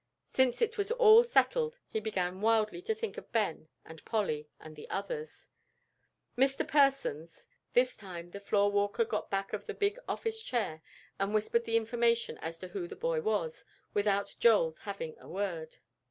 Since it was all settled, he began wildly to think of Ben and Polly and the others. "Mr. Persons," this time the floor walker got back of the big office chair, and whispered the information as to who the boy was, without Joel's hearing a word.